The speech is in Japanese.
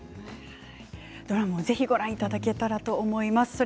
ドラマをぜひご覧いただけたらと思います。